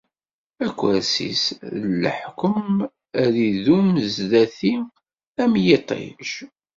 Akersi-s n leḥkwem ad idum sdat-i, am yiṭij.